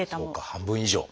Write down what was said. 半分以上。